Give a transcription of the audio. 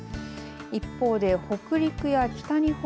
一方で北陸や北日本